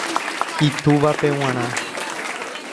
Itúvape g̃uarã